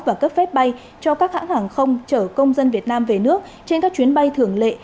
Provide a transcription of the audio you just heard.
và cấp phép bay cho các hãng hàng không chở công dân việt nam về nước trên các chuyến bay thường lệ